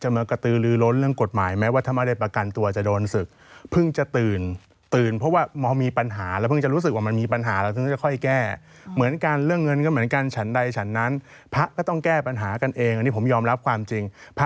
พูดกันเป็นภาษาบ้านคือยอมฉันอาบัติ